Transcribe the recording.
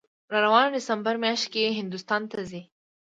راروانه دسامبر میاشت کې هندوستان ته ځي